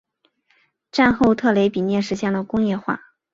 战后特雷比涅实现了工业化。